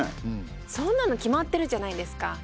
そんなの決まってるじゃないですか。